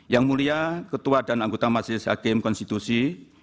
yang mulia ketua dan anggota majelis hakim konstitusi